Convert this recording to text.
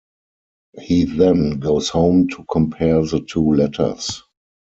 He then goes home to compare the two letters.